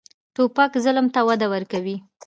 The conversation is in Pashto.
توپک ظلم ته وده ورکوي.